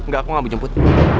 gak aku gak mau jemput